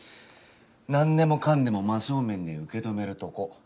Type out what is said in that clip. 何でもかんでも真正面で受け止めるとこ。